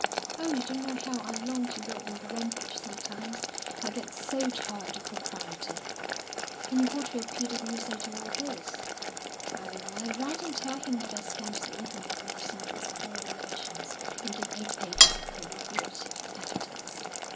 Oh, you don't know how I long to go on the rampage sometimes! I get so tired of propriety." "And what will P. W. say to all this?" "Oh, I'll write and tell him that I spent the evening with some of his poor relations, and give eight pages of corroborative evidence."